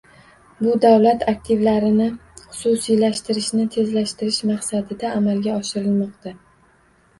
Bu davlat aktivlarini xususiylashtirishni tezlashtirish maqsadida amalga oshirilmoqda